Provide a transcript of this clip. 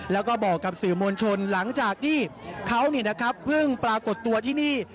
แล้วก็บอกกับสื่อมวลชนหลังจากที่เขาเพิ่งปรากฏตัวที่นี่